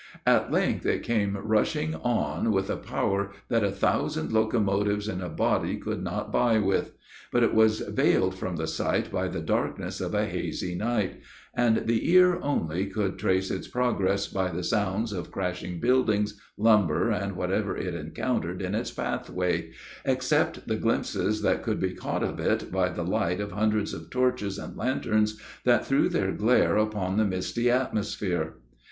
At length it came rushing on with a power that a thousand locomotives in a body could not vie with; but it was vailed from the eye by the darkness of a hazy night, and the ear only could trace its progress by the sounds of crashing buildings, lumber, and whatever it encountered in its pathway, except the glimpses that could be caught of it by the light of hundreds of torches and lanterns that threw their glare upon the misty atmosphere.